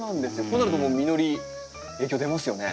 こうなるともう実り影響出ますよね？